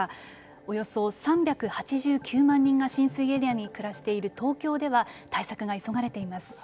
およそ３８９万人が浸水エリアに暮らしている東京では対策が急がれています。